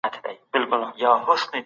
دباندي باران دی.